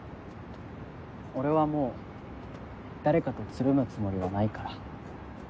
俺はもう誰かとつるむつもりはないから。